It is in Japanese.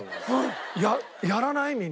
やらない？